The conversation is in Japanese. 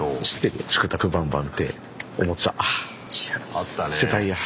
あったね。